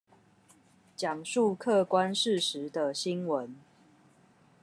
講述客觀事實的新聞